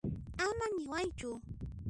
Ama niwaychu.